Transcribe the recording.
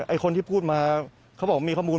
คนที่พูดมาเขาบอกว่ามีข้อมูล